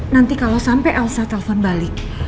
nanti kalau sampai elsa telpon balik